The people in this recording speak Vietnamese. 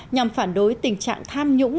nhằm phản đối tình trạng tham nhũng